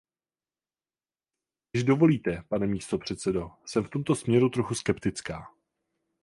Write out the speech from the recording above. Když dovolíte, pane místopředsedo, jsem v tomto směru trochu skeptická.